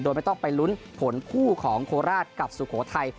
โดยไม่ต้องไปลุ้นผลคู่ของโคราชกับสุโขทัย